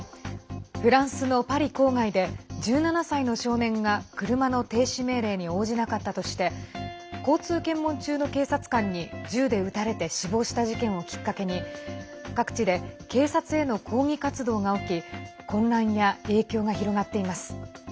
フランスのパリ郊外で１７歳の少年が車の停止命令に応じなかったとして交通検問中の警察官に銃で撃たれて死亡した事件をきっかけに各地で警察への抗議活動が起き混乱や影響が広がっています。